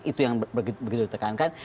itu yang begitu ditekankan